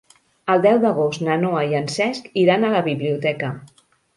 El deu d'agost na Noa i en Cesc iran a la biblioteca.